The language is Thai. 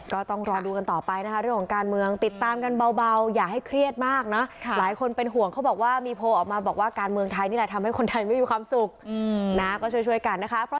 ก็ต้องรอดูกันต่อไปนะคะเรื่องของการเมืองติดตามกันเบาอย่าให้เครียดมากนะหลายคนเป็นห่วงเขาบอกว่ามีโพลออกมาบอกว่าการเมืองไทยนี่แหละทำให้คนไทยไม่มีความสุขนะก็ช่วยกันนะคะ